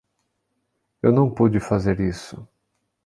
Eu não pude fazer isso.